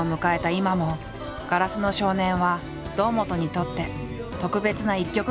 今も「硝子の少年」は堂本にとって特別な一曲だという。